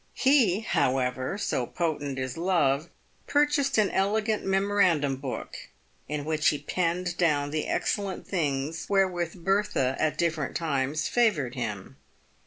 He, however — so potent is love — purchased an elegant memorandum book, in which he penned down the excellent things wherewith Bertha at different times favoured him.